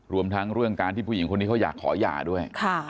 รวมทั้งเรื่องการที่ผู้หญิงคนนี้เขาอยากขอหย่าด้วย